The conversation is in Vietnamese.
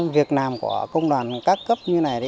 việc làm của công đoàn cấp cấp như này